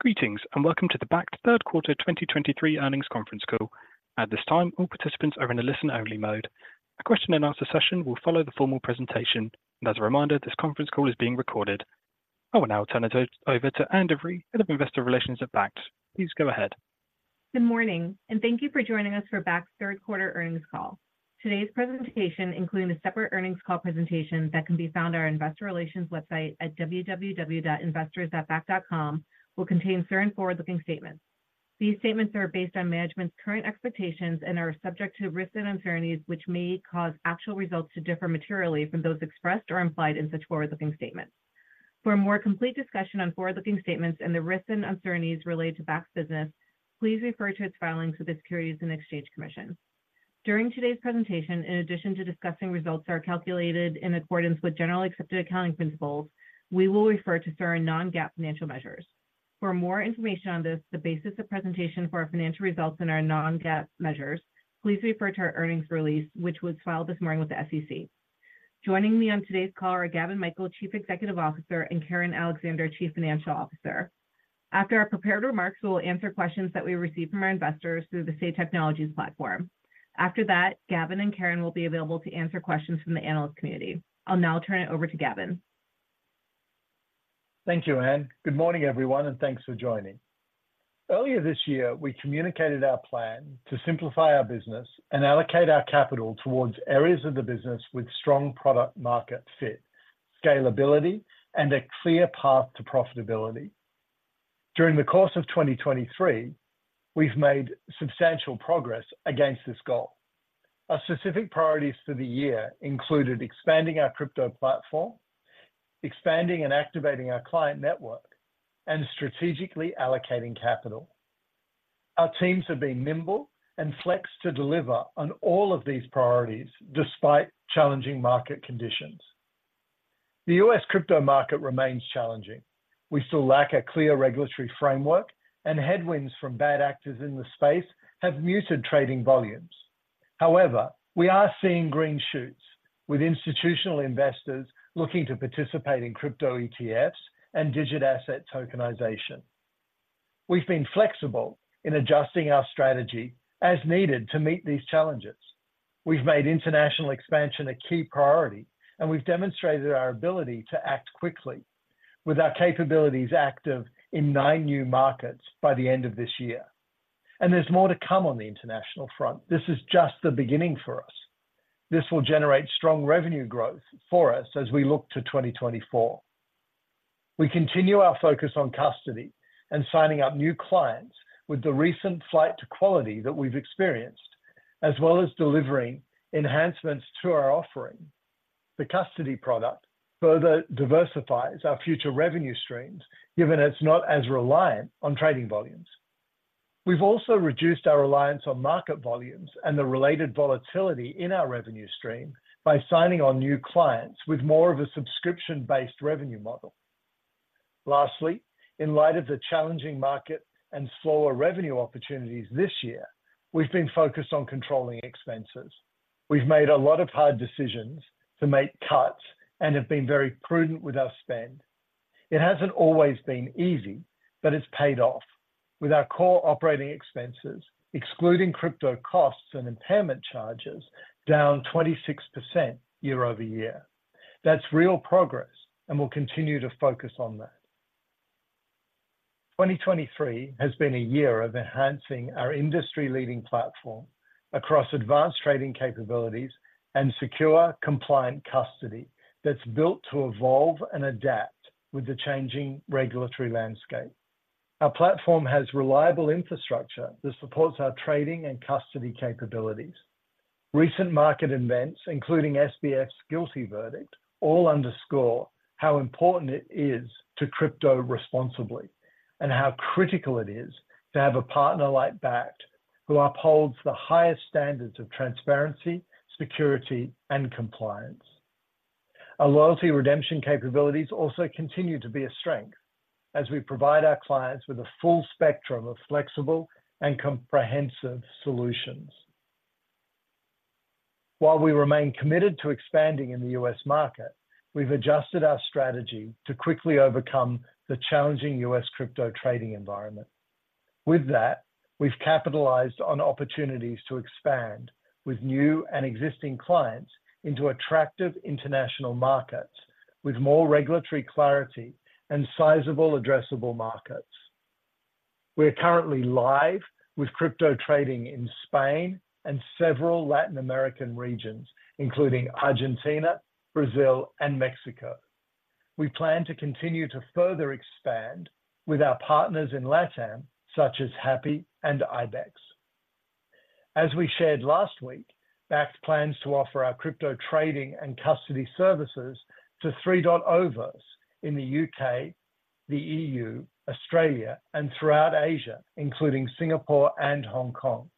Greetings, and welcome to the Bakkt Third Quarter 2023 Earnings Conference Call. At this time, all participants are in a listen-only mode. A question and answer session will follow the formal presentation. As a reminder, this conference call is being recorded. I will now turn it over to Ann DeVries, Head of Investor Relations at Bakkt. Please go ahead. Good morning, and thank you for joining us for Bakkt's third quarter earnings call. Today's presentation, including the separate earnings call presentation that can be found on our Investor Relations website at www.investors.bakkt.com, will contain certain forward-looking statements. These statements are based on management's current expectations and are subject to risks and uncertainties, which may cause actual results to differ materially from those expressed or implied in such forward-looking statements. For a more complete discussion on forward-looking statements and the risks and uncertainties related to Bakkt's business, please refer to its filings with the Securities and Exchange Commission. During today's presentation, in addition to discussing results that are calculated in accordance with generally accepted accounting principles, we will refer to certain non-GAAP financial measures. For more information on this, the basis of presentation for our financial results and our non-GAAP measures, please refer to our earnings release, which was filed this morning with the SEC. Joining me on today's call are Gavin Michael, Chief Executive Officer, and Karen Alexander, Chief Financial Officer. After our prepared remarks, we'll answer questions that we received from our investors through the Say Technologies platform. After that, Gavin and Karen will be available to answer questions from the analyst community. I'll now turn it over to Gavin. Thank you, Ann. Good morning, everyone, and thanks for joining. Earlier this year, we communicated our plan to simplify our business and allocate our capital towards areas of the business with strong product-market fit, scalability, and a clear path to profitability. During the course of 2023, we've made substantial progress against this goal. Our specific priorities for the year included expanding our crypto platform, expanding and activating our client network, and strategically allocating capital. Our teams have been nimble and flexed to deliver on all of these priorities despite challenging market conditions. The U.S. crypto market remains challenging. We still lack a clear regulatory framework, and headwinds from bad actors in the space have muted trading volumes. However, we are seeing green shoots, with institutional investors looking to participate in crypto ETFs and digital asset tokenization. We've been flexible in adjusting our strategy as needed to meet these challenges. We've made international expansion a key priority, and we've demonstrated our ability to act quickly with our capabilities active in nine new markets by the end of this year. There's more to come on the international front. This is just the beginning for us. This will generate strong revenue growth for us as we look to 2024. We continue our focus on custody and signing up new clients with the recent flight to quality that we've experienced, as well as delivering enhancements to our offering. The custody product further diversifies our future revenue streams, given it's not as reliant on trading volumes. We've also reduced our reliance on market volumes and the related volatility in our revenue stream by signing on new clients with more of a subscription-based revenue model. Lastly, in light of the challenging market and slower revenue opportunities this year, we've been focused on controlling expenses. We've made a lot of hard decisions to make cuts and have been very prudent with our spend. It hasn't always been easy, but it's paid off, with our core operating expenses, excluding crypto costs and impairment charges, down 26% year-over-year. That's real progress, and we'll continue to focus on that. Twenty twenty-three has been a year of enhancing our industry-leading platform across advanced trading capabilities and secure, compliant custody that's built to evolve and adapt with the changing regulatory landscape. Our platform has reliable infrastructure that supports our trading and custody capabilities. Recent market events, including SBF's guilty verdict, all underscore how important it is to crypto responsibly and how critical it is to have a partner like Bakkt, who upholds the highest standards of transparency, security, and compliance. Our loyalty redemption capabilities also continue to be a strength as we provide our clients with a full spectrum of flexible and comprehensive solutions. While we remain committed to expanding in the U.S. market, we've adjusted our strategy to quickly overcome the challenging U.S. crypto trading environment. With that, we've capitalized on opportunities to expand with new and existing clients into attractive international markets, with more regulatory clarity and sizable addressable markets. We are currently live with crypto trading in Spain and several Latin American regions, including Argentina, Brazil, and Mexico. We plan to continue to further expand with our partners in LatAm, such as Hapi and IBEX. As we shared last week, Bakkt plans to offer our crypto trading and custody services to three countries in the U.K., the EU, Australia, and throughout Asia, including Singapore and Hong Kong,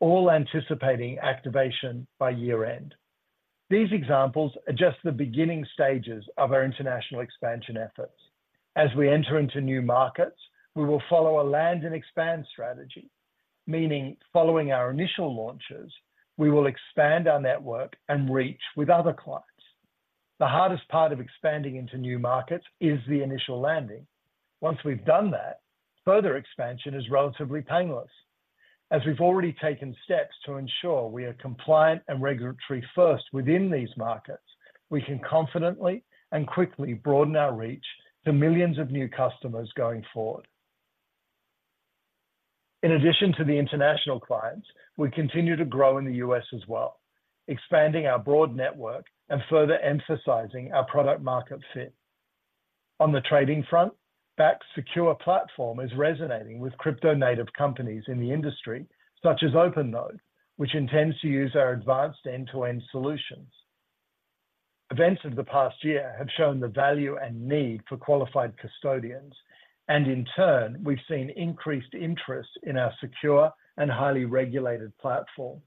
all anticipating activation by year-end. These examples are just the beginning stages of our international expansion efforts. As we enter into new markets, we will follow a land and expand strategy, meaning following our initial launches, we will expand our network and reach with other clients. The hardest part of expanding into new markets is the initial landing. Once we've done that, further expansion is relatively painless. As we've already taken steps to ensure we are compliant and regulatory first within these markets, we can confidently and quickly broaden our reach to millions of new customers going forward. In addition to the international clients, we continue to grow in the U.S. as well, expanding our broad network and further emphasizing our product market fit. On the trading front, Bakkt's secure platform is resonating with crypto native companies in the industry, such as OpenNode, which intends to use our advanced end-to-end solutions. Events of the past year have shown the value and need for qualified custodians, and in turn, we've seen increased interest in our secure and highly regulated platform.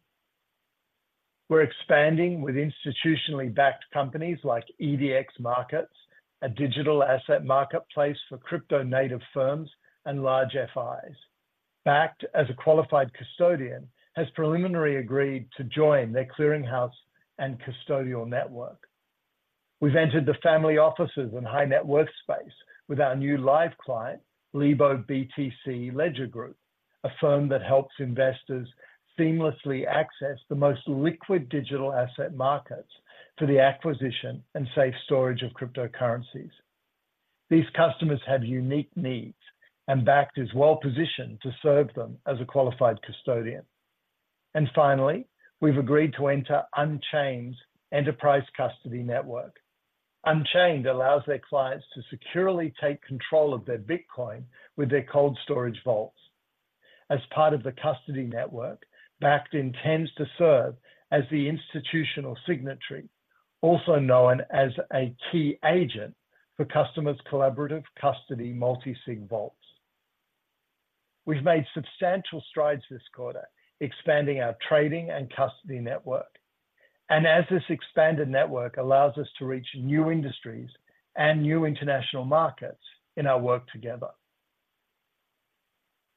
We're expanding with institutionally backed companies like EDX Markets, a digital asset marketplace for crypto native firms and large FIs. Bakkt, as a qualified custodian, has preliminarily agreed to join their clearinghouse and custodial network. We've entered the family offices and high-net-worth space with our new live client, LeboBTC Ledger Group, a firm that helps investors seamlessly access the most liquid digital asset markets for the acquisition and safe storage of cryptocurrencies. These customers have unique needs, and Bakkt is well-positioned to serve them as a qualified custodian. Finally, we've agreed to enter Unchained's Enterprise Custody Network. Unchained allows their clients to securely take control of their Bitcoin with their cold storage vaults. As part of the custody network, Bakkt intends to serve as the institutional signatory, also known as a key agent for customers' collaborative custody multisig vaults. We've made substantial strides this quarter, expanding our trading and custody network, and as this expanded network allows us to reach new industries and new international markets in our work together.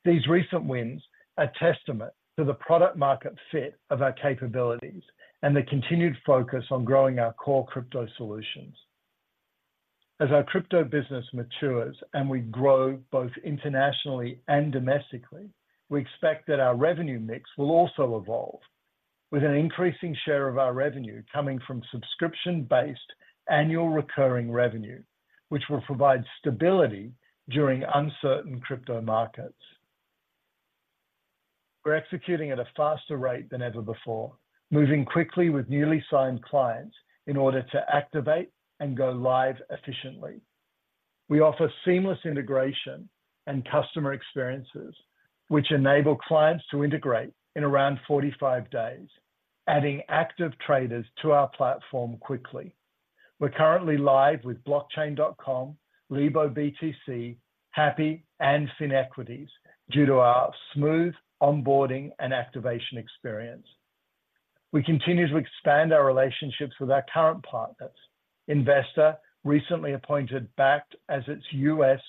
These recent wins are testament to the product market fit of our capabilities and the continued focus on growing our core crypto solutions. As our crypto business matures and we grow both internationally and domestically, we expect that our revenue mix will also evolve, with an increasing share of our revenue coming from subscription-based annual recurring revenue, which will provide stability during uncertain crypto markets. We're executing at a faster rate than ever before, moving quickly with newly signed clients in order to activate and go live efficiently. We offer seamless integration and customer experiences, which enable clients to integrate in around 45 days, adding active traders to our platform quickly. We're currently live with Blockchain.com, LeboBTC, Hapi, and Finequities, due to our smooth onboarding and activation experience. We continue to expand our relationships with our current partners. Investor recently appointed Bakkt as its U.S.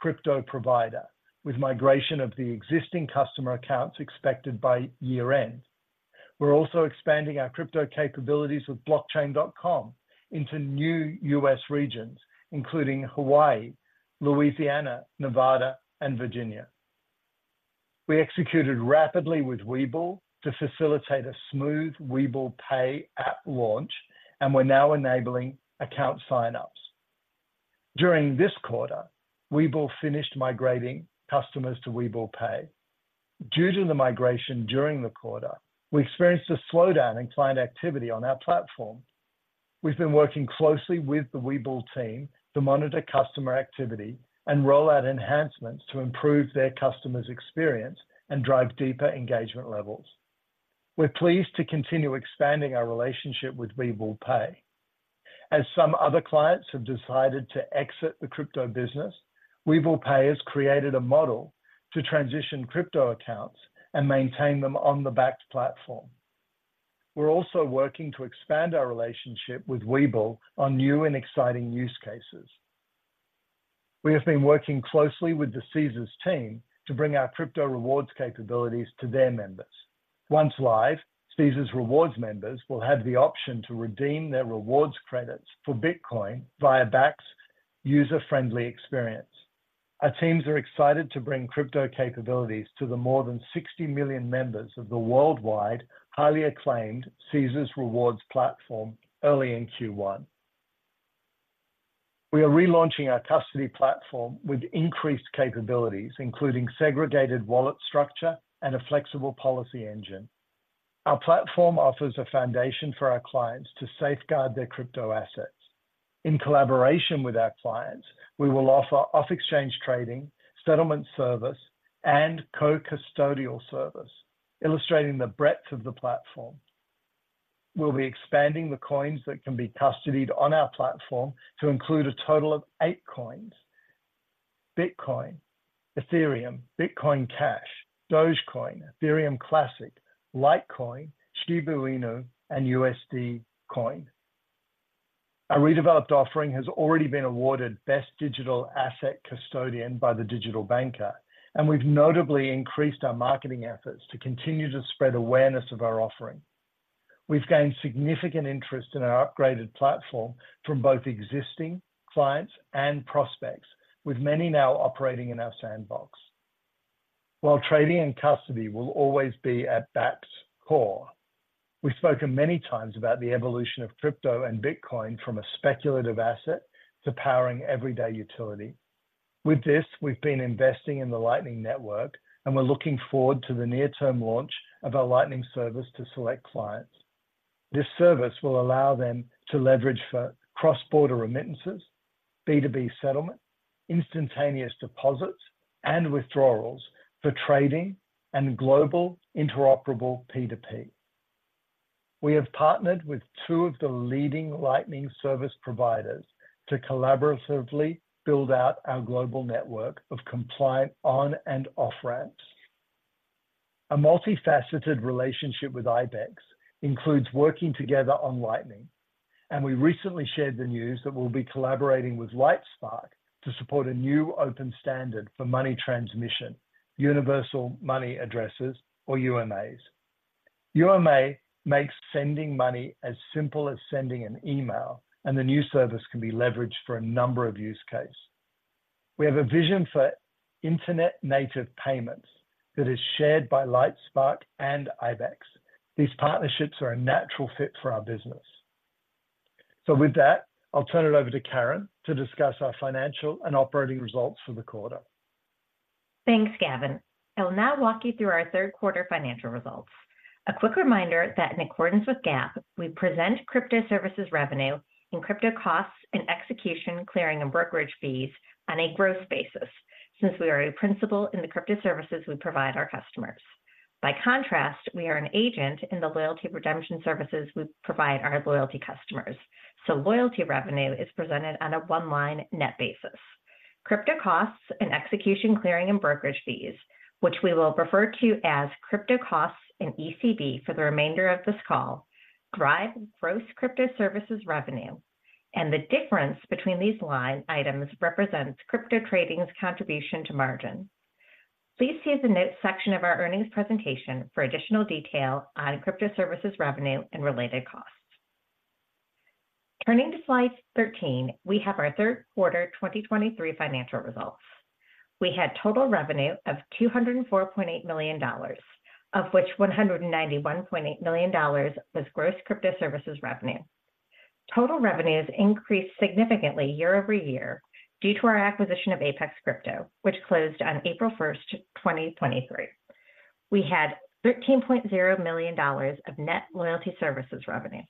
crypto provider, with migration of the existing customer accounts expected by year-end. We're also expanding our crypto capabilities with Blockchain.com into new U.S. regions, including Hawaii, Louisiana, Nevada, and Virginia. We executed rapidly with Webull to facilitate a smooth Webull Pay app launch, and we're now enabling account sign-ups. During this quarter, Webull finished migrating customers to Webull Pay. Due to the migration during the quarter, we experienced a slowdown in client activity on our platform. We've been working closely with the Webull team to monitor customer activity and roll out enhancements to improve their customers' experience and drive deeper engagement levels. We're pleased to continue expanding our relationship with Webull Pay. As some other clients have decided to exit the crypto business, Webull Pay has created a model to transition crypto accounts and maintain them on the Bakkt platform. We're also working to expand our relationship with Webull on new and exciting use cases. We have been working closely with the Caesars team to bring our crypto rewards capabilities to their members. Once live, Caesars Rewards members will have the option to redeem their rewards credits for Bitcoin via Bakkt's user-friendly experience. Our teams are excited to bring crypto capabilities to the more than 60 million members of the worldwide, highly acclaimed Caesars Rewards platform early in Q1. We are relaunching our custody platform with increased capabilities, including segregated wallet structure and a flexible policy engine. Our platform offers a foundation for our clients to safeguard their crypto assets. In collaboration with our clients, we will offer off-exchange trading, settlement service, and co-custodial service, illustrating the breadth of the platform. We'll be expanding the coins that can be custodied on our platform to include a total of eight coins: Bitcoin, Ethereum, Bitcoin Cash, Dogecoin, Ethereum Classic, Litecoin, Shiba Inu, and USD Coin. Our redeveloped offering has already been awarded Best Digital Asset Custodian by The Digital Banker, and we've notably increased our marketing efforts to continue to spread awareness of our offering. We've gained significant interest in our upgraded platform from both existing clients and prospects, with many now operating in our sandbox. While trading and custody will always be at Bakkt's core, we've spoken many times about the evolution of crypto and Bitcoin from a speculative asset to powering everyday utility. With this, we've been investing in the Lightning Network, and we're looking forward to the near-term launch of our Lightning service to select clients. This service will allow them to leverage for cross-border remittances, B2B settlement, instantaneous deposits and withdrawals for trading, and global interoperable P2P. We have partnered with two of the leading Lightning service providers to collaboratively build out our global network of compliant on and off-ramps. A multifaceted relationship with IBEX includes working together on Lightning, and we recently shared the news that we'll be collaborating with Lightspark to support a new open standard for money transmission, universal money addresses, or UMAs. UMA makes sending money as simple as sending an email, and the new service can be leveraged for a number of use cases. We have a vision for internet-native payments that is shared by Lightspark and IBEX. These partnerships are a natural fit for our business. So with that, I'll turn it over to Karen to discuss our financial and operating results for the quarter. Thanks, Gavin. I will now walk you through our third quarter financial results. A quick reminder that in accordance with GAAP, we Crypto Services revenue and crypto costs and execution, clearing, and brokerage fees on a gross basis since we are a principal in Crypto Services we provide our customers. By contrast, we are an agent in the loyalty redemption services we provide our loyalty customers, so Loyalty revenue is presented on a one-line net basis. Crypto costs and execution, clearing, and brokerage fees, which we will refer to as crypto costs and ECB for the remainder of this call, drive Crypto Services revenue, and the difference between these line items represents crypto trading's contribution to margin. Please see the notes section of our earnings presentation for additional detail Crypto Services revenue and related costs. Turning to slide 13, we have our third quarter 2023 financial results. We had total revenue of $204.8 million, of which $191.8 million was Crypto Services revenue. Total revenues increased significantly year-over-year due to our acquisition of Apex Crypto, which closed on April 1, 2023. We had $13.0 million of net Loyalty Services revenue.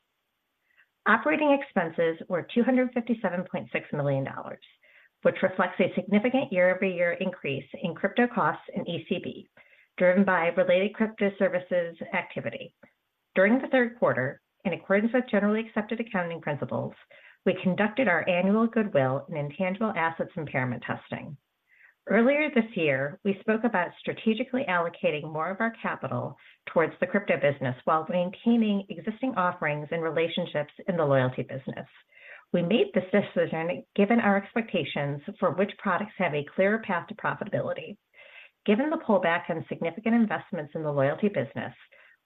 Operating expenses were $257.6 million, which reflects a significant year-over-year increase in crypto costs and ECB, driven by Crypto Services activity. During the third quarter, in accordance with generally accepted accounting principles, we conducted our annual goodwill and intangible assets impairment testing. Earlier this year, we spoke about strategically allocating more of our capital towards the crypto business while maintaining existing offerings and relationships in the Loyalty business. We made this decision given our expectations for which products have a clearer path to profitability. Given the pullback and significant investments in the Loyalty business,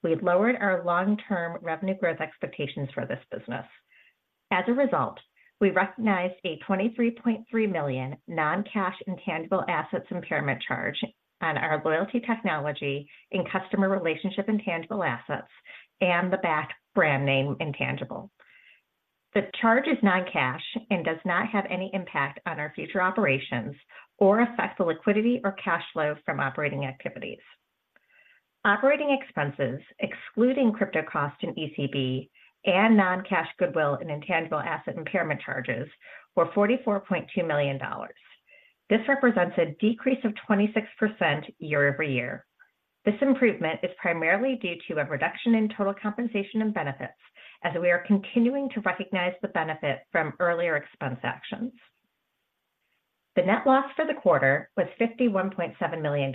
we've lowered our long-term revenue growth expectations for this business. As a result, we recognized a $23.3 million non-cash intangible assets impairment charge on our loyalty technology in customer relationship intangible assets and the Bakkt brand name intangible. The charge is non-cash and does not have any impact on our future operations or affect the liquidity or cash flow from operating activities. Operating expenses, excluding crypto cost and ECB and non-cash goodwill and intangible asset impairment charges, were $44.2 million. This represents a decrease of 26% year-over-year. This improvement is primarily due to a reduction in total compensation and benefits as we are continuing to recognize the benefit from earlier expense actions. The net loss for the quarter was $51.7 million,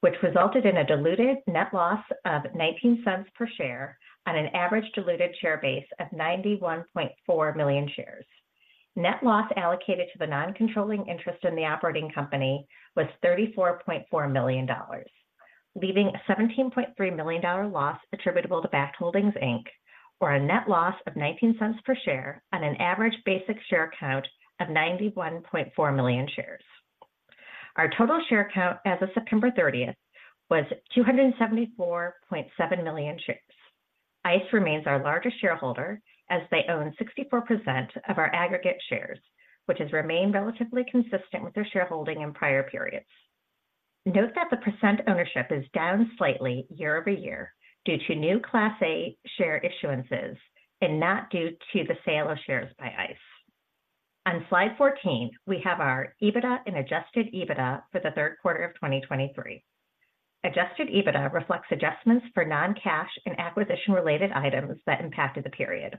which resulted in a diluted net loss of $0.19 per share on an average diluted share base of 91.4 million shares. Net loss allocated to the non-controlling interest in the operating company was $34.4 million, leaving a $17.3 million loss attributable to Bakkt Holdings, Inc, or a net loss of $0.19 per share on an average basic share count of 91.4 million shares. Our total share count as of September 30th was 274.7 million shares. ICE remains our largest shareholder, as they own 64% of our aggregate shares, which has remained relatively consistent with their shareholding in prior periods. Note that the percent ownership is down slightly year-over-year due to new Class A share issuances and not due to the sale of shares by ICE. On slide 14, we have our EBITDA and adjusted EBITDA for the third quarter of 2023. Adjusted EBITDA reflects adjustments for non-cash and acquisition-related items that impacted the period.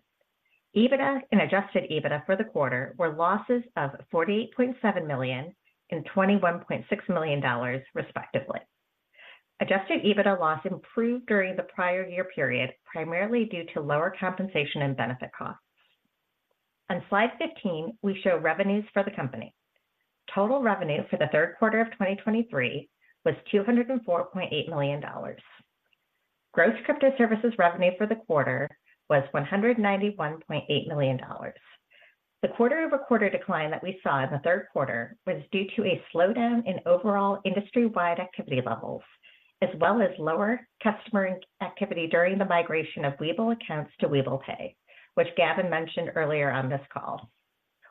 EBITDA and adjusted EBITDA for the quarter were losses of $48.7 million and $21.6 million, respectively. Adjusted EBITDA loss improved during the prior year period, primarily due to lower compensation and benefit costs. On slide 15, we show revenues for the company. Total revenue for the third quarter of 2023 was $204.8 million. Crypto Services revenue for the quarter was $191.8 million. The quarter-over-quarter decline that we saw in the third quarter was due to a slowdown in overall industry-wide activity levels, as well as lower customer activity during the migration of Webull accounts to Webull Pay, which Gavin mentioned earlier on this call.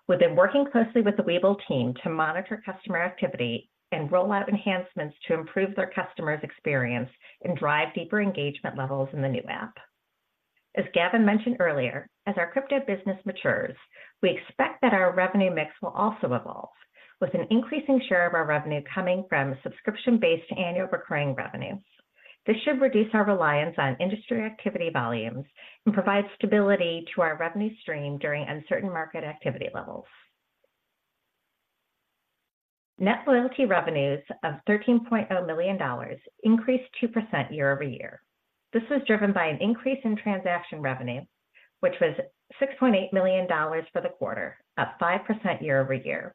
We've been working closely with the Webull team to monitor customer activity and roll out enhancements to improve their customers' experience and drive deeper engagement levels in the new app. As Gavin mentioned earlier, as our crypto business matures, we expect that our revenue mix will also evolve, with an increasing share of our revenue coming from subscription-based annual recurring revenues. This should reduce our reliance on industry activity volumes and provide stability to our revenue stream during uncertain market activity levels. Net Loyalty revenues of $13.0 million increased 2% year-over-year. This was driven by an increase in transaction revenue, which was $6.8 million for the quarter, up 5% year-over-year.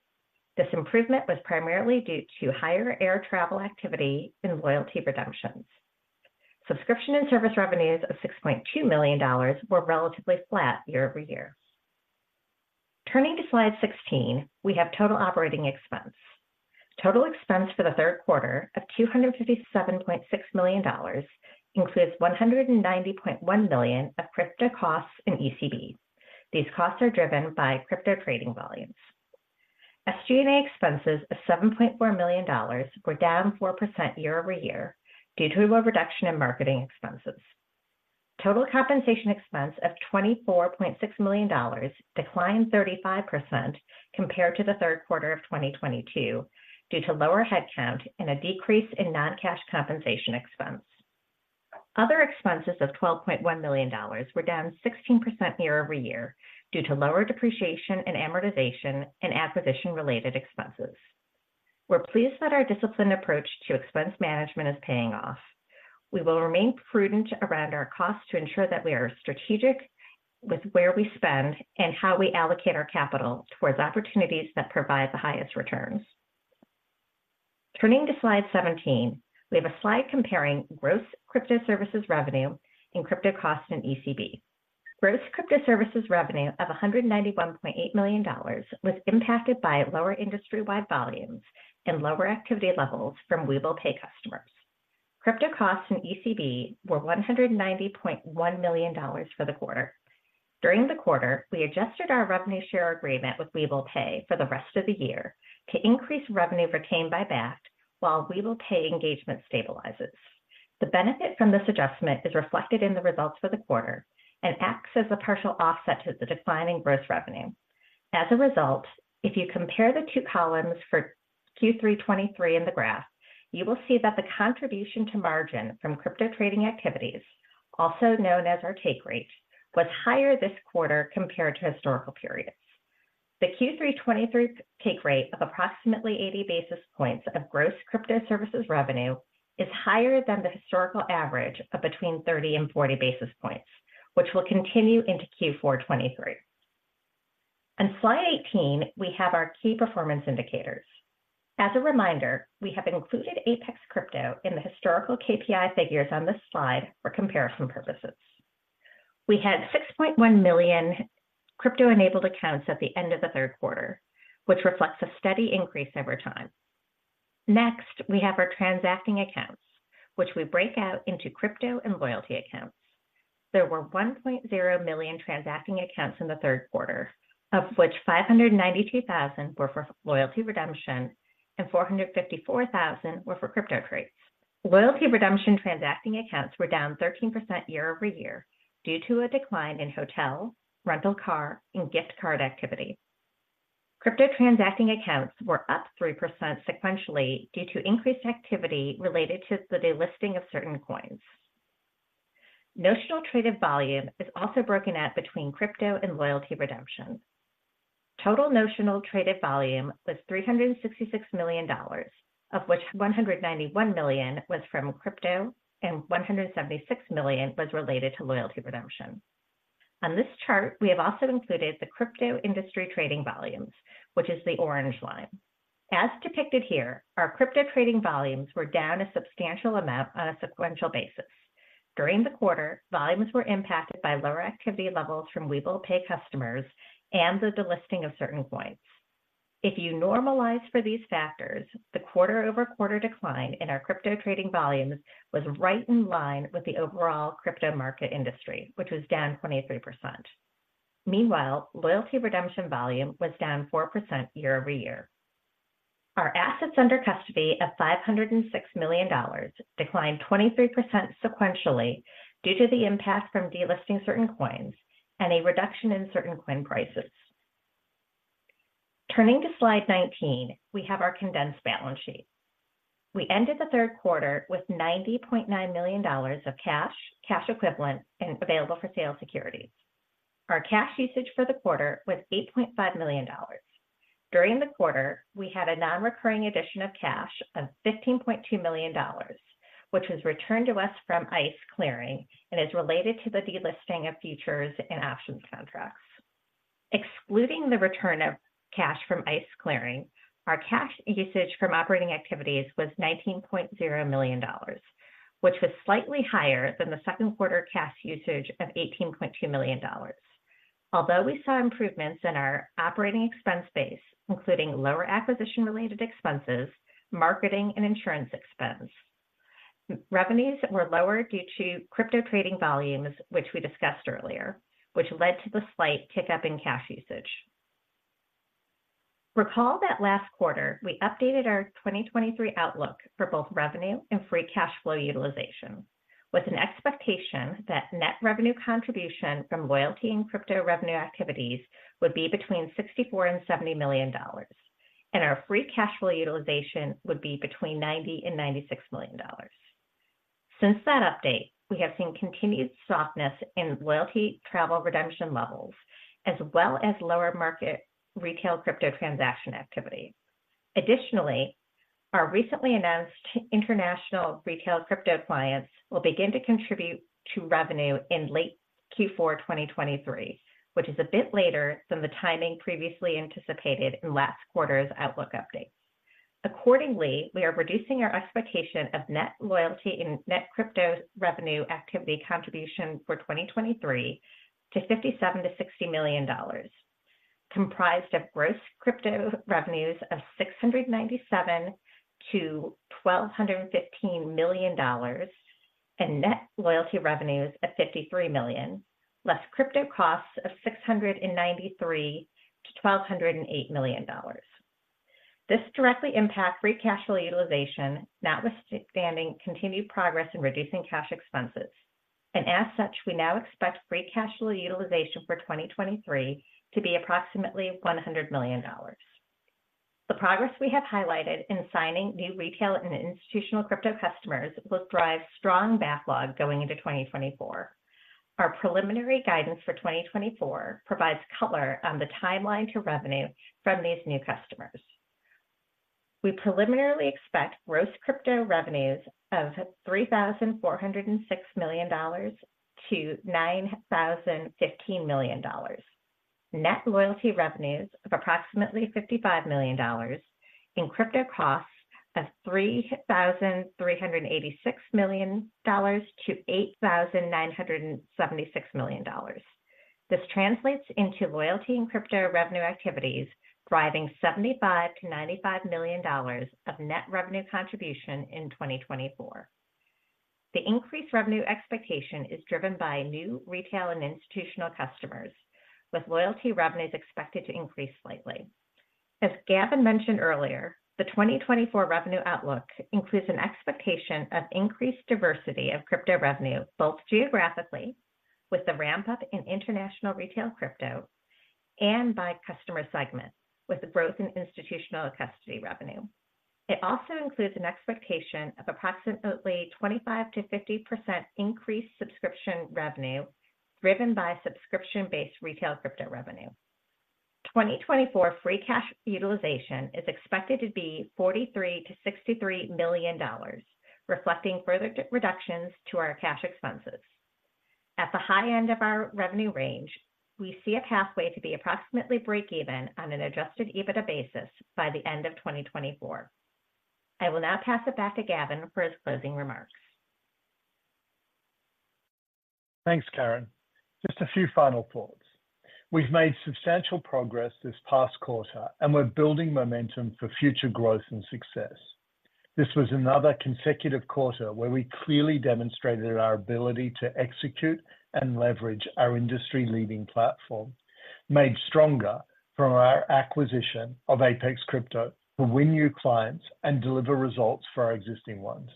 This improvement was primarily due to higher air travel activity and loyalty redemptions. Subscription and service revenues of $6.2 million were relatively flat year-over-year. Turning to slide 16, we have total operating expense. Total expense for the third quarter of $257.6 million includes $190.1 million of crypto costs and ECB. These costs are driven by crypto trading volumes. SG&A expenses of $7.4 million were down 4% year-over-year due to a reduction in marketing expenses. Total compensation expense of $24.6 million declined 35% compared to the third quarter of 2022 due to lower headcount and a decrease in non-cash compensation expense. Other expenses of $12.1 million were down 16% year over year due to lower depreciation and amortization and acquisition-related expenses. We're pleased that our disciplined approach to expense management is paying off. We will remain prudent around our costs to ensure that we are strategic with where we spend and how we allocate our capital towards opportunities that provide the highest returns. Turning to slide 17, we have a slide comparing Crypto Services revenue and crypto costs and ECB. Crypto Services revenue of $191.8 million was impacted by lower industry-wide volumes and lower activity levels from Webull Pay customers. Crypto costs and ECB were $190.1 million for the quarter. During the quarter, we adjusted our revenue share agreement with Webull Pay for the rest of the year to increase revenue retained by Bakkt while Webull Pay engagement stabilizes. The benefit from this adjustment is reflected in the results for the quarter and acts as a partial offset to the decline in gross revenue. As a result, if you compare the two columns for Q3 2023 in the graph, you will see that the contribution to margin from crypto trading activities, also known as our take rate, was higher this quarter compared to historical periods. The Q3 2023 take rate of approximately 80 basis points of Crypto Services revenue is higher than the historical average of between 30 basis points and 40 basis points, which will continue into Q4 2023. On slide 18, we have our key performance indicators. As a reminder, we have included Apex Crypto in the historical KPI figures on this slide for comparison purposes. We had 6.1 million crypto-enabled accounts at the end of the third quarter, which reflects a steady increase over time. Next, we have our transacting accounts, which we break out into crypto and loyalty accounts. There were 1.0 million transacting accounts in the third quarter, of which 592,000 were for loyalty redemption and 454,000 were for crypto trades. Loyalty redemption transacting accounts were down 13% year-over-year due to a decline in hotel, rental car, and gift card activity. Crypto transacting accounts were up 3% sequentially due to increased activity related to the delisting of certain coins. Notional traded volume is also broken out between crypto and loyalty redemption. Total notional traded volume was $366 million, of which $191 million was from crypto and $176 million was related to loyalty redemption. On this chart, we have also included the crypto industry trading volumes, which is the orange line. As depicted here, our crypto trading volumes were down a substantial amount on a sequential basis. During the quarter, volumes were impacted by lower activity levels from Webull Pay customers and the delisting of certain coins. If you normalize for these factors, the quarter-over-quarter decline in our crypto trading volumes was right in line with the overall crypto market industry, which was down 23%. Meanwhile, loyalty redemption volume was down 4% year-over-year. Our assets under custody of $506 million declined 23% sequentially due to the impact from delisting certain coins and a reduction in certain coin prices. Turning to slide 19, we have our condensed balance sheet. We ended the third quarter with $90.9 million of cash, cash equivalent, and available for sale securities. Our cash usage for the quarter was $8.5 million. During the quarter, we had a non-recurring addition of cash of $15.2 million, which was returned to us from ICE clearing and is related to the delisting of futures and options contracts. Excluding the return of cash from ICE clearing, our cash usage from operating activities was $19.0 million, which was slightly higher than the second quarter cash usage of $18.2 million. Although we saw improvements in our operating expense base, including lower acquisition-related expenses, marketing and insurance expense, revenues were lower due to crypto trading volumes, which we discussed earlier, which led to the slight tick-up in cash usage. Recall that last quarter, we updated our 2023 outlook for both revenue and free cash flow utilization, with an expectation that net revenue contribution from Loyalty and Crypto revenue activities would be between $64 million and $70 million, and our free cash flow utilization would be between $90 million and $96 million. Since that update, we have seen continued softness in loyalty travel redemption levels, as well as lower market retail crypto transaction activity. Additionally, our recently announced international retail crypto clients will begin to contribute to revenue in late Q4 2023, which is a bit later than the timing previously anticipated in last quarter's outlook update. Accordingly, we are reducing our expectation of net Loyalty and net Crypto revenue activity contribution for 2023 to $57 million-$60 million, comprised of gross rypto revenues of $697 million-$1,215 million, and net Loyalty revenues at $53 million, less crypto costs of $693 million-$1,208 million. This directly impacts free cash flow utilization, notwithstanding continued progress in reducing cash expenses, and as such, we now expect free cash flow utilization for 2023 to be approximately $100 million. The progress we have highlighted in signing new retail and institutional crypto customers will drive strong backlog going into 2024. Our preliminary guidance for 2024 provides color on the timeline to revenue from these new customers. We preliminarily expect gross Crypto revenues of $3,406 million-$9,015 million. Net Loyalty revenues of approximately $55 million in crypto costs of $3,386 million-$8,976 million. This translates into Loyalty and Crypto revenue activities driving $75 million-$95 million of net revenue contribution in 2024. The increased revenue expectation is driven by new retail and institutional customers, with Loyalty revenues expected to increase slightly. As Gavin mentioned earlier, the 2024 revenue outlook includes an expectation of increased diversity of Crypto revenue, both geographically, with the ramp-up in international retail crypto, and by customer segments with the growth in institutional custody revenue. It also includes an expectation of approximately 25%-50% increased subscription revenue, driven by subscription-based retail crypto revenue. 2024 free cash utilization is expected to be $43 million-$63 million, reflecting further reductions to our cash expenses. At the high end of our revenue range, we see a pathway to be approximately breakeven on an adjusted EBITDA basis by the end of 2024. I will now pass it back to Gavin for his closing remarks. Thanks, Karen. Just a few final thoughts. We've made substantial progress this past quarter, and we're building momentum for future growth and success. This was another consecutive quarter where we clearly demonstrated our ability to execute and leverage our industry-leading platform, made stronger from our acquisition of Apex Crypto, to win new clients and deliver results for our existing ones.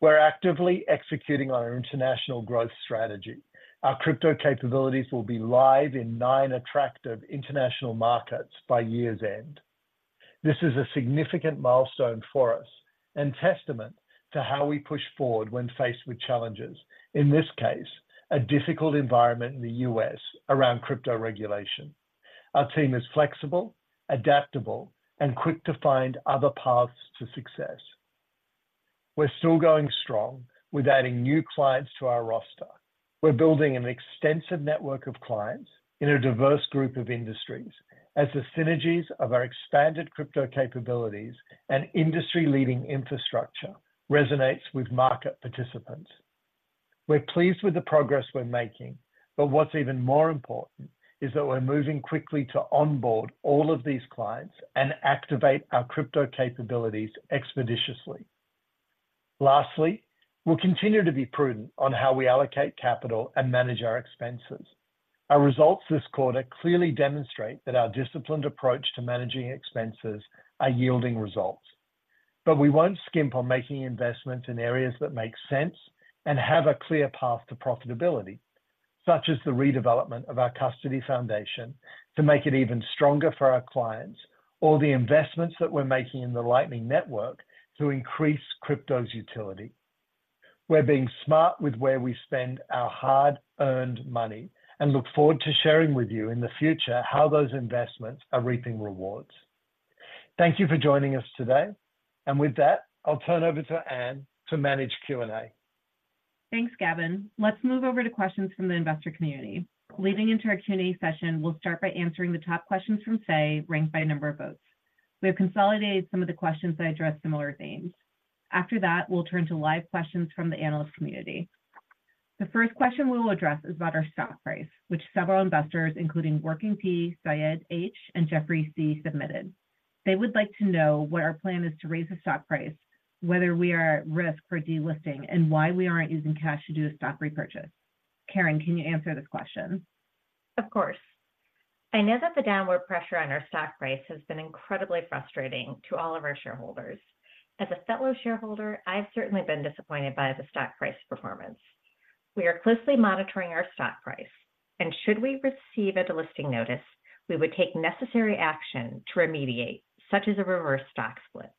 We're actively executing on our international growth strategy. Our crypto capabilities will be live in nine attractive international markets by year's end. This is a significant milestone for us and testament to how we push forward when faced with challenges, in this case, a difficult environment in the U.S. around crypto regulation. Our team is flexible, adaptable, and quick to find other paths to success. We're still going strong with adding new clients to our roster. We're building an extensive network of clients in a diverse group of industries as the synergies of our expanded crypto capabilities and industry-leading infrastructure resonates with market participants. We're pleased with the progress we're making, but what's even more important is that we're moving quickly to onboard all of these clients and activate our crypto capabilities expeditiously. Lastly, we'll continue to be prudent on how we allocate capital and manage our expenses. Our results this quarter clearly demonstrate that our disciplined approach to managing expenses are yielding results. But we won't skimp on making investments in areas that make sense and have a clear path to profitability, such as the redevelopment of our custody foundation to make it even stronger for our clients, or the investments that we're making in the Lightning Network to increase crypto's utility. We're being smart with where we spend our hard-earned money, and look forward to sharing with you in the future how those investments are reaping rewards. Thank you for joining us today, and with that, I'll turn over to Ann to manage Q&A. Thanks, Gavin. Let's move over to questions from the investor community. Leading into our Q&A session, we'll start by answering the top questions from Say, ranked by number of votes. We have consolidated some of the questions that address similar themes. After that, we'll turn to live questions from the analyst community. The first question we will address is about our stock price, which several investors, including Working P, Syed H, and Jeffrey C, submitted. They would like to know what our plan is to raise the stock price, whether we are at risk for delisting, and why we aren't using cash to do a stock repurchase. Karen, can you answer this question? Of course. I know that the downward pressure on our stock price has been incredibly frustrating to all of our shareholders. As a fellow shareholder, I've certainly been disappointed by the stock price performance. We are closely monitoring our stock price, and should we receive a delisting notice, we would take necessary action to remediate, such as a reverse stock split.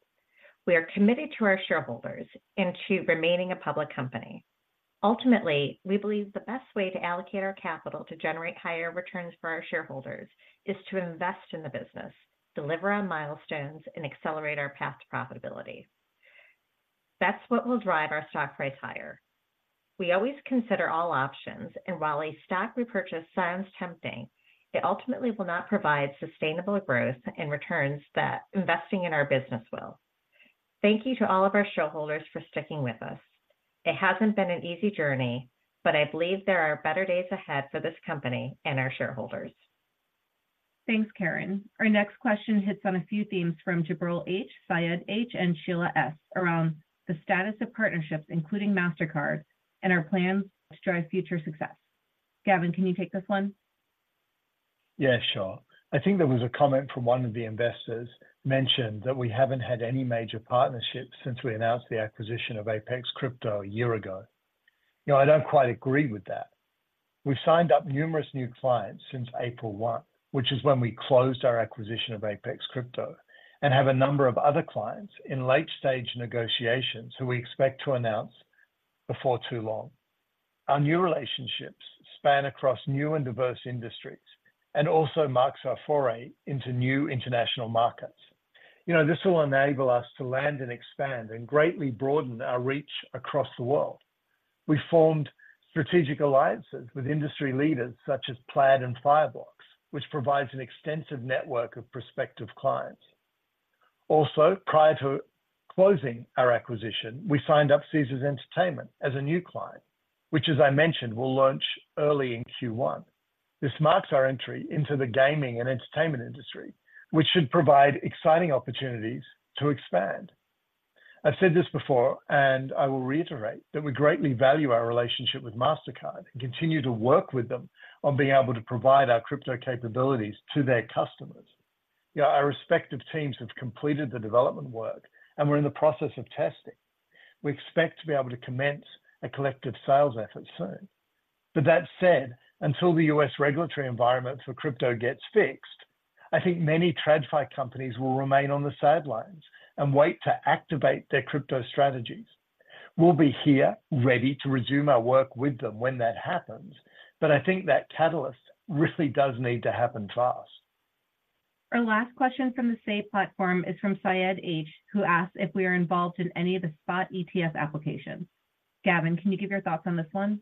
We are committed to our shareholders and to remaining a public company. Ultimately, we believe the best way to allocate our capital to generate higher returns for our shareholders is to invest in the business, deliver on milestones, and accelerate our path to profitability. That's what will drive our stock price higher. We always consider all options, and while a stock repurchase sounds tempting, it ultimately will not provide sustainable growth and returns that investing in our business will. Thank you to all of our shareholders for sticking with us. It hasn't been an easy journey, but I believe there are better days ahead for this company and our shareholders. Thanks, Karen. Our next question hits on a few themes from Jabril H, Syed H, and Sheila S around the status of partnerships, including Mastercard, and our plans to drive future success. Gavin, can you take this one? Yeah, sure. I think there was a comment from one of the investors mentioned that we haven't had any major partnerships since we announced the acquisition of Apex Crypto a year ago. You know, I don't quite agree with that. We've signed up numerous new clients since April 1, which is when we closed our acquisition of Apex Crypto, and have a number of other clients in late-stage negotiations who we expect to announce before too long. Our new relationships span across new and diverse industries and also marks our foray into new international markets. You know, this will enable us to land and expand and greatly broaden our reach across the world. We formed strategic alliances with industry leaders such as Plaid and Fireblocks, which provides an extensive network of prospective clients. Also, prior to closing our acquisition, we signed up Caesars Entertainment as a new client, which, as I mentioned, will launch early in Q1. This marks our entry into the gaming and entertainment industry, which should provide exciting opportunities to expand. I've said this before, and I will reiterate, that we greatly value our relationship with Mastercard and continue to work with them on being able to provide our crypto capabilities to their customers. You know, our respective teams have completed the development work, and we're in the process of testing. We expect to be able to commence a collective sales effort soon. But that said, until the U.S. regulatory environment for crypto gets fixed, I think many TradFi companies will remain on the sidelines and wait to activate their crypto strategies. We'll be here, ready to resume our work with them when that happens, but I think that catalyst really does need to happen fast. Our last question from the Say platform is from Syed H, who asks if we are involved in any of the spot ETF applications. Gavin, can you give your thoughts on this one?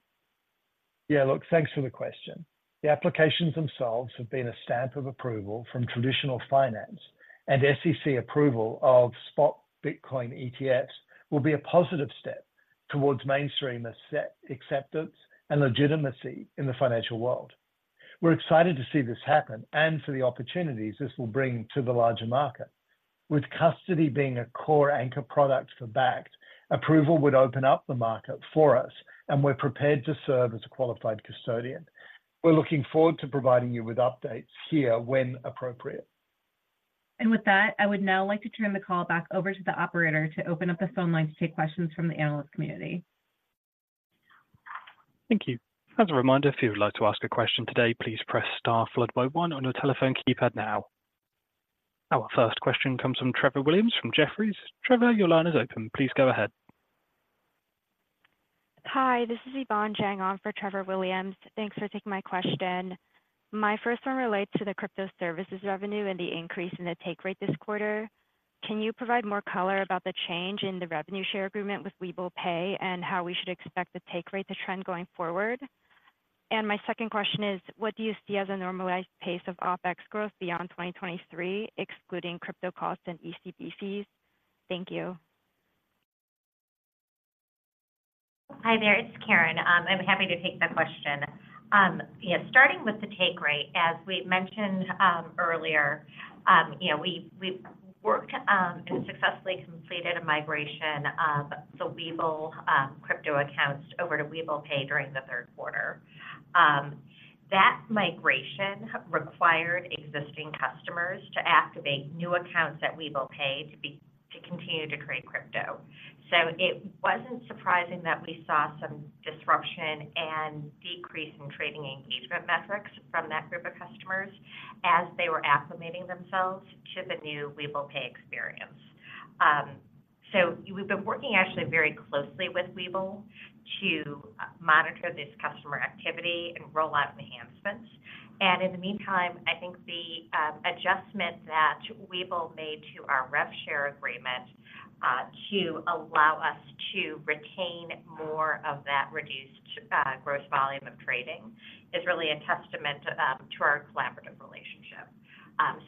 Yeah, look, thanks for the question. The applications themselves have been a stamp of approval from traditional finance, and SEC approval of spot Bitcoin ETFs will be a positive step towards mainstream acceptance and legitimacy in the financial world. We're excited to see this happen and for the opportunities this will bring to the larger market. With custody being a core anchor product for Bakkt, approval would open up the market for us and we're prepared to serve as a qualified custodian. We're looking forward to providing you with updates here when appropriate. With that, I would now like to turn the call back over to the operator to open up the phone line to take questions from the analyst community. Thank you. As a reminder, if you would like to ask a question today, please press Star followed by one on your telephone keypad now. Our first question comes from Trevor Williams, from Jefferies. Trevor, your line is open. Please go ahead. Hi, this is Yvonne Jeng on for Trevor Williams. Thanks for taking my question. My first one relates to Crypto Services revenue and the increase in the take rate this quarter. Can you provide more color about the change in the revenue share agreement with Webull Pay, and how we should expect the take rate to trend going forward? And my second question is, what do you see as a normalized pace of OpEx growth beyond 2023, excluding crypto costs and ECB fees? Thank you. Hi there, it's Karen. I'm happy to take the question. Yeah, starting with the take rate, as we mentioned earlier, you know, we've worked and successfully completed a migration of the Webull crypto accounts over to Webull Pay during the third quarter. That migration required existing customers to activate new accounts at Webull Pay to continue to trade crypto. So it wasn't surprising that we saw some disruption and decrease in trading engagement metrics, customers as they were acclimating themselves to the new Webull Pay experience. So we've been working actually very closely with Webull to monitor this customer activity and roll out enhancements. In the meantime, I think the adjustment that Webull made to our rev share agreement to allow us to retain more of that reduced gross volume of trading is really a testament to our collaborative relationship.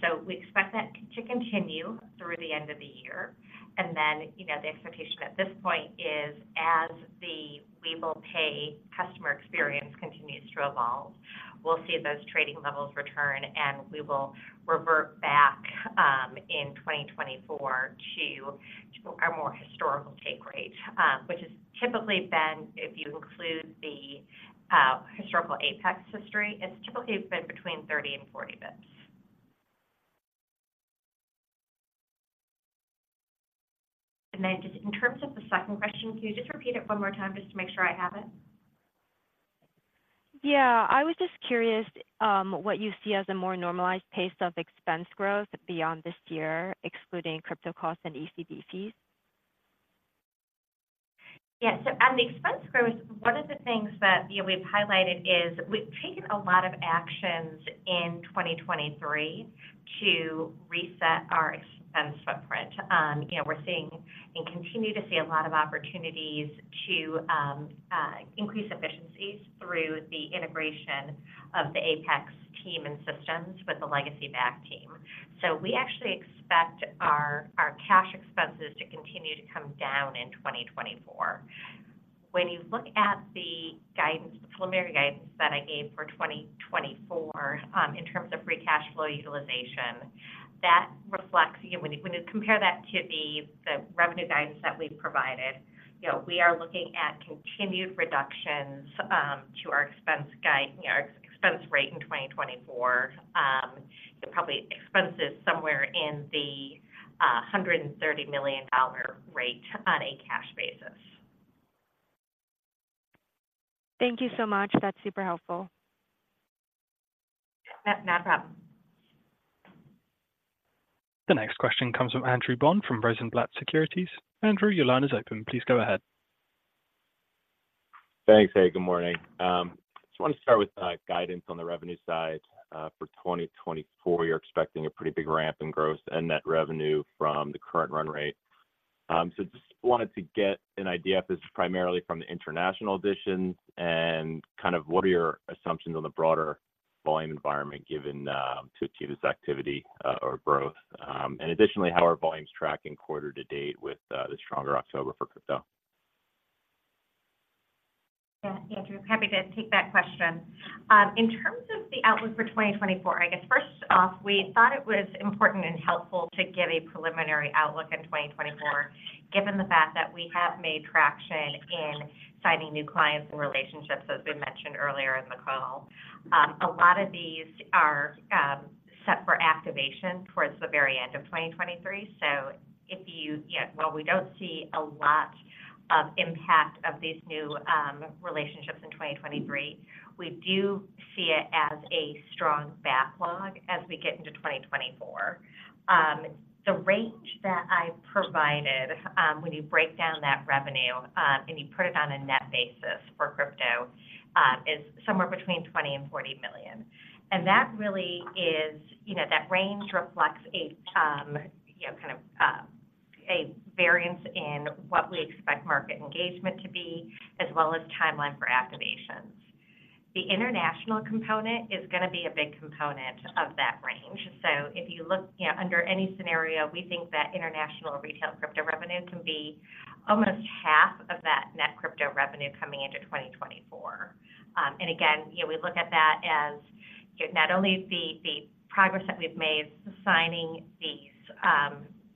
So we expect that to continue through the end of the year, and then, you know, the expectation at this point is as the Webull Pay customer experience continues to evolve, we'll see those trading levels return, and we will revert back in 2024 to our more historical take rate. Which has typically been, if you include the historical Apex history, it's typically been between 30 basis points and 40 basis points. And then just in terms of the second question, can you just repeat it one more time, just to make sure I have it? Yeah. I was just curious, what you see as a more normalized pace of expense growth beyond this year, excluding crypto costs and ECB fees? Yeah. So on the expense growth, one of the things that, you know, we've highlighted is we've taken a lot of actions in 2023 to reset our expense footprint. You know, we're seeing and continue to see a lot of opportunities to increase efficiencies through the integration of the Apex team and systems with the legacy Bakkt team. So we actually expect our cash expenses to continue to come down in 2024. When you look at the guidance, the preliminary guidance that I gave for 2024, in terms of free cash flow utilization, that reflects—you know, when you compare that to the revenue guidance that we've provided, you know, we are looking at continued reductions to our expense guide, you know, our expense rate in 2024. It probably expenses somewhere in the $130 million dollar rate on a cash basis. Thank you so much. That's super helpful. Yeah, not a problem. The next question comes from Andrew Bond, from Rosenblatt Securities. Andrew, your line is open. Please go ahead. Thanks. Hey, good morning. Just wanted to start with guidance on the revenue side. For 2024, you're expecting a pretty big ramp in gross and net revenue from the current run rate. So just wanted to get an idea if this is primarily from the international additions, and kind of what are your assumptions on the broader volume environment given to achieve this activity or growth? And additionally, how are volumes tracking quarter-to-date with the stronger October for crypto? Yeah, Andrew, happy to take that question. In terms of the outlook for 2024, I guess first off, we thought it was important and helpful to give a preliminary outlook in 2024, given the fact that we have made traction in signing new clients and relationships, as we mentioned earlier in the call. A lot of these are set for activation towards the very end of 2023. While we don't see a lot of impact of these new relationships in 2023, we do see it as a strong backlog as we get into 2024. The range that I provided, when you break down that revenue, and you put it on a net basis for crypto, is somewhere between $20 million and $40 million. That really is, you know, that range reflects a, you know, kind of, a variance in what we expect market engagement to be, as well as timeline for activations. The international component is gonna be a big component of that range. So if you look, you know, under any scenario, we think that international retail crypto revenue can be almost half of that net Crypto revenue coming into 2024. And again, you know, we look at that as not only the progress that we've made signing these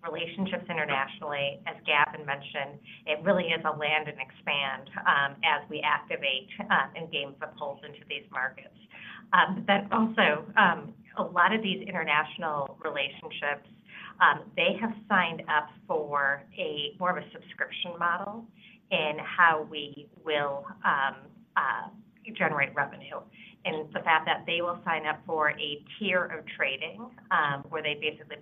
relationships internationally, as Gavin mentioned, it really is a land and expand, as we activate, and gain foothold into these markets. But then also, a lot of these international relationships, they have signed up for a more of a subscription model in how we will generate revenue. And it's the fact that they will sign up for a tier of trading, where they basically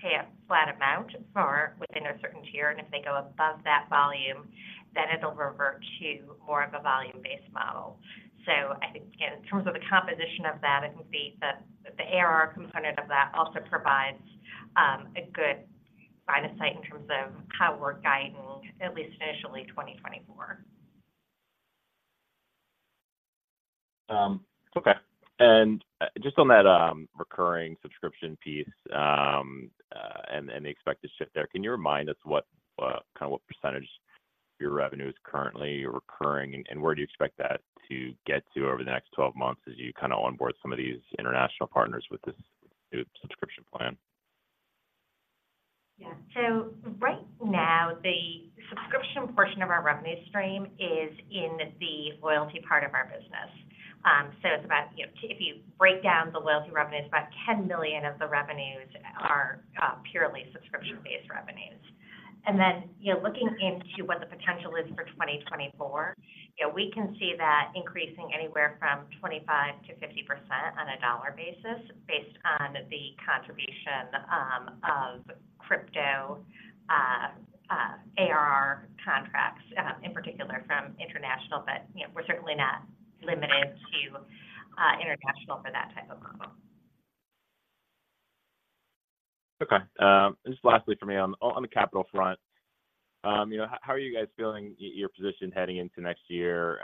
pay a flat amount for within a certain tier, and if they go above that volume, then it'll revert to more of a volume-based model. So I think, again, in terms of the composition of that, I think the ARR component of that also provides a good line of sight in terms of how we're guiding, at least initially, 2024. Okay. And just on that, recurring subscription piece, and the expected shift there, can you remind us what kind of percentage of your revenue is currently recurring, and where do you expect that to get to over the next 12 months as you kind of onboard some of these international partners with this new subscription plan? Yeah. So right now, the subscription portion of our revenue stream is in the loyalty part of our business. So it's about, you know, if you break down the Loyalty revenue, it's about $10 million of the revenues are purely subscription-based revenues. And then, you know, looking into what the potential is for 2024, you know, we can see that increasing anywhere from 25%-50% on a dollar basis, based on the contribution of crypto ARR contracts, in particular from international. But, you know, we're certainly not limited to international for that type of model. Okay. Just lastly for me on, on the capital front, you know, how are you guys feeling your position heading into next year?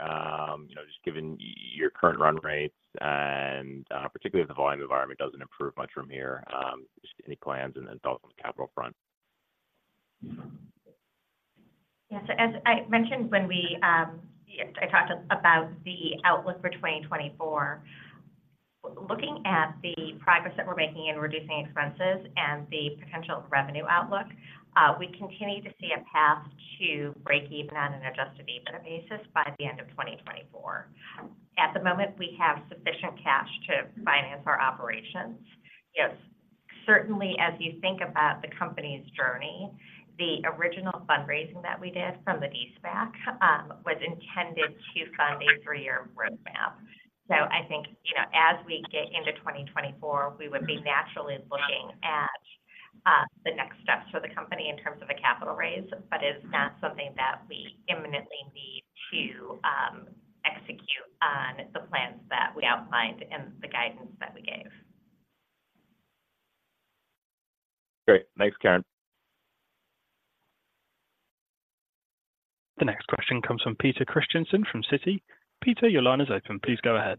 You know, just given your current run rates and, particularly if the volume environment doesn't improve much from here, just any plans and then thoughts on the capital front? Yes. As I mentioned, when we, I talked about the outlook for 2024, looking at the progress that we're making in reducing expenses and the potential revenue outlook, we continue to see a path to break even on an adjusted EBITDA basis by the end of 2024. At the moment, we have sufficient cash to finance our operations. Yes, certainly, as you think about the company's journey, the original fundraising that we did from the de-SPAC was intended to fund a three-year roadmap. So I think, you know, as we get into 2024, we would be naturally looking at the next steps for the company in terms of a capital raise. But it's not something that we imminently need to execute on the plans that we outlined and the guidance that we gave. Great. Thanks, Karen. The next question comes from Peter Christiansen from Citi. Peter, your line is open. Please go ahead.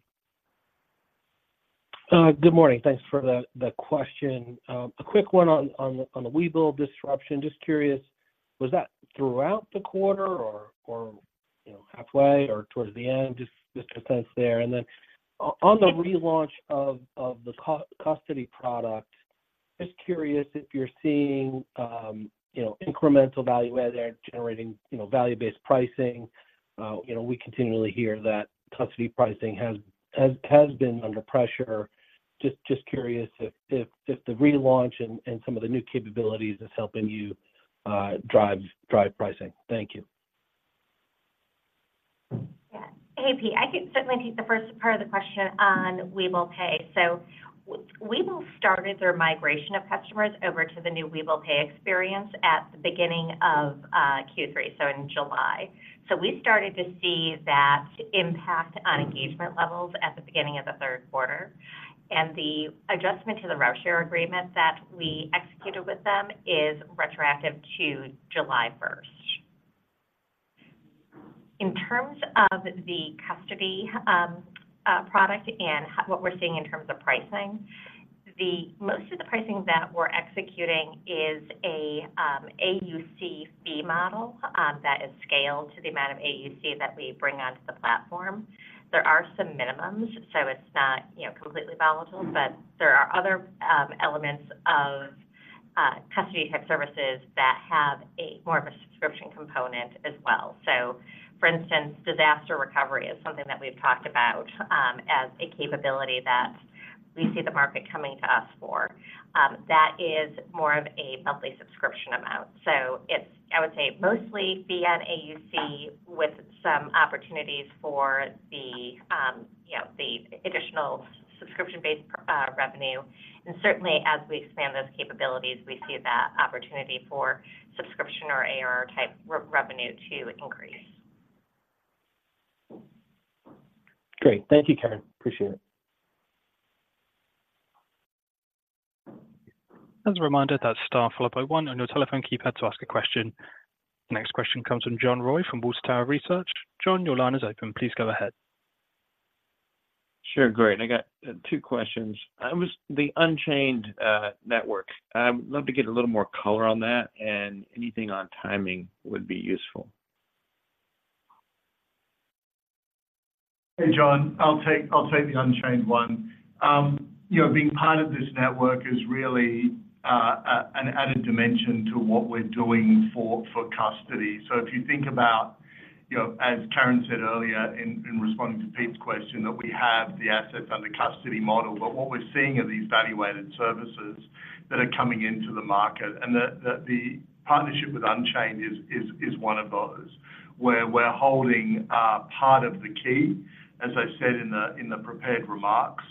Good morning. Thanks for the question. A quick one on the Webull disruption. Just curious, was that throughout the quarter or you know, halfway or towards the end? Just a sense there. And then on the relaunch of the custody product, just curious if you're seeing you know, incremental value add there, generating you know, value-based pricing. You know, we continually hear that custody pricing has been under pressure. Just curious if the relaunch and some of the new capabilities is helping you drive pricing. Thank you. Yeah. Hey, Pete, I can certainly take the first part of the question on Webull Pay. So Webull started their migration of customers over to the new Webull Pay experience at the beginning of Q3, so in July. So we started to see that impact on engagement levels at the beginning of the third quarter, and the adjustment to the rev share agreement that we executed with them is retroactive to July 1st. In terms of the custody product and what we're seeing in terms of pricing, most of the pricing that we're executing is a AUC fee model that is scaled to the amount of AUC that we bring onto the platform. There are some minimums, so it's not, you know, completely volatile, but there are other elements of custody type services that have a more of a subscription component as well. So for instance, disaster recovery is something that we've talked about as a capability that we see the market coming to us for. That is more of a monthly subscription amount. So it's, I would say, mostly fee on AUC with some opportunities for the, you know, the additional subscription-based revenue. And certainly as we expand those capabilities, we see that opportunity for subscription or ARR-type revenue to increase. Great. Thank you, Karen. Appreciate it. As a reminder, that's star followed by one on your telephone keypad to ask a question. Next question comes from John Roy from Water Tower Research. John, your line is open. Please go ahead. Sure. Great. I got two questions. Was the Unchained network? I would love to get a little more color on that, and anything on timing would be useful. Hey, John, I'll take, I'll take the Unchained one. You know, being part of this network is really an added dimension to what we're doing for custody. So if you think about, you know, as Karen said earlier in responding to Pete's question, that we have the assets under custody model, but what we're seeing are these value-added services that are coming into the market, and the partnership with Unchained is one of those, where we're holding part of the key, as I said in the prepared remarks,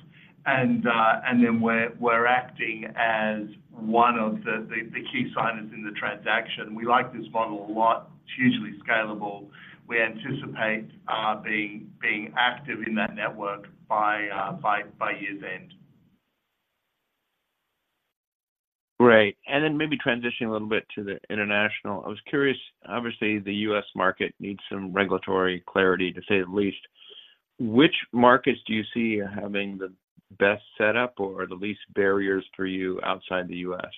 and then we're acting as one of the key signers in the transaction. We like this model a lot. It's hugely scalable. We anticipate being active in that network by year's end. Great. Maybe transitioning a little bit to the international, I was curious, obviously, the U.S. market needs some regulatory clarity, to say the least. Which markets do you see having the best setup or the least barriers for you outside the U.S.?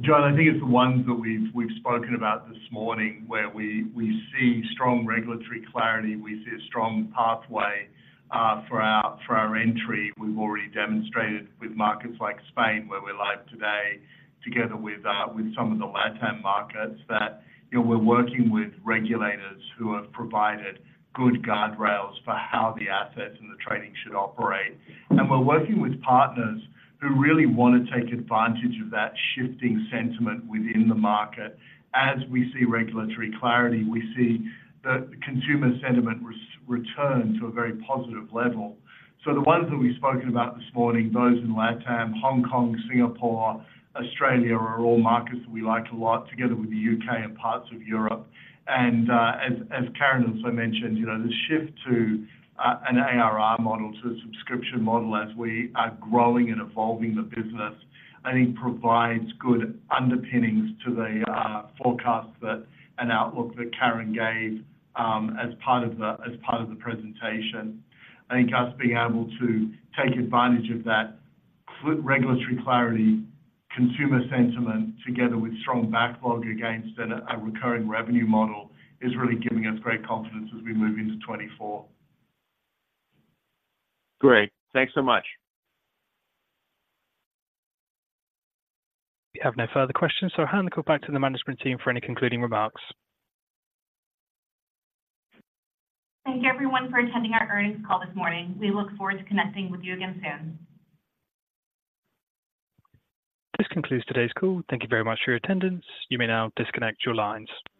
John, I think it's the ones that we've, we've spoken about this morning, where we, we see strong regulatory clarity, we see a strong pathway for our, for our entry. We've already demonstrated with markets like Spain, where we're live today, together with some of the LatAm markets, that, you know, we're working with regulators who have provided good guardrails for how the assets and the trading should operate. And we're working with partners who really want to take advantage of that shifting sentiment within the market. As we see regulatory clarity, we see the consumer sentiment return to a very positive level. So the ones that we've spoken about this morning, those in LatAm, Hong Kong, Singapore, Australia, are all markets that we like a lot, together with the U.K. and parts of Europe. As Karen also mentioned, you know, the shift to an ARR model, to a subscription model, as we are growing and evolving the business, I think provides good underpinnings to the forecast and outlook that Karen gave, as part of the presentation. I think us being able to take advantage of that regulatory clarity, consumer sentiment, together with strong backlog against a recurring revenue model, is really giving us great confidence as we move into 2024. Great. Thanks so much. We have no further questions, so I'll hand it back to the management team for any concluding remarks. Thank you, everyone, for attending our earnings call this morning. We look forward to connecting with you again soon. This concludes today's call. Thank you very much for your attendance. You may now disconnect your lines.